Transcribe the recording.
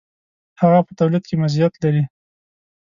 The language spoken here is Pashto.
هغه په تولید کې مزیت لري.